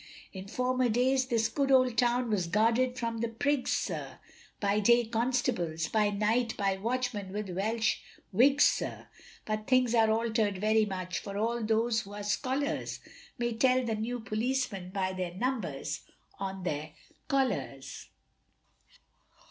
In former days this good old town was guarded from the prigs, sir, By day constables, by night by watchmen with Welsh wigs, sir; But things are alter'd very much, for all those who are scholars, May tell the new policemen by their numbers on their collars.